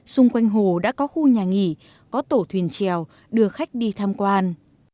xung quanh hồ đã có khu nhà nghỉ có tổ thuyền trèo đưa khách đi tham quan